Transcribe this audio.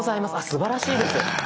すばらしいです。